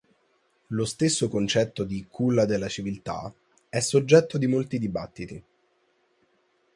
Lo stesso concetto di 'culla della civiltà' è soggetto di molti dibattiti.